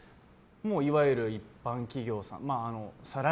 もう、いわゆる一般企業さん。